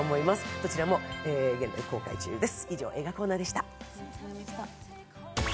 どちらも現在公開中です。